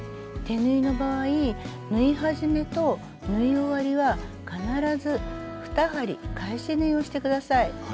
手縫いの場合縫い始めと縫い終わりは必ず２針返し縫いをして下さい。